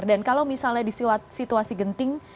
dan kalau misalnya di situasi genting